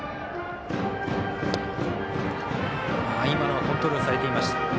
今のコントロールされていました。